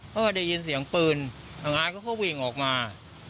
พอได้ยินเสียงปืนอังอาศก็วิ่งออกมา